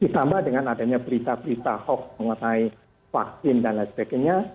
ditambah dengan adanya berita berita hoax mengenai vaksin dan lain sebagainya